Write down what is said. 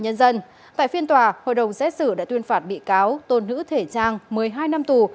nhân dân tại phiên tòa hội đồng xét xử đã tuyên phạt bị cáo tôn nữ thể trang một mươi hai năm tù